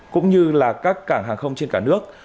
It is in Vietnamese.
cũng như là các cảng hàng không trên cả nước